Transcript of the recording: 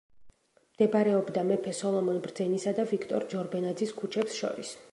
მდებარეობდა მეფე სოლომონ ბრძენისა და ვიქტორ ჯორბენაძის ქუჩებს შორის.